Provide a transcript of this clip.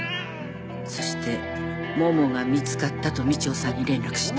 そしてモモが見つかったと道夫さんに連絡した。